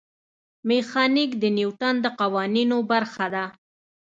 میخانیک د نیوټن د قوانینو برخه ده.